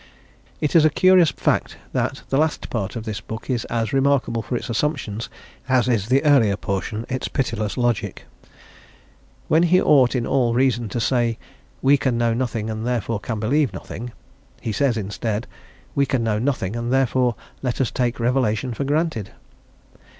It is a curious fact that the last part of this book is as remarkable for its assumptions, as is the earlier portion its pitiless logic. When he ought in all reason to say, "we can know nothing and therefore can believe nothing," he says instead, "we can know nothing and therefore let us take Revelation for granted."